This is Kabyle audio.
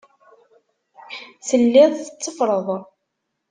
Telliḍ tetteffreḍ.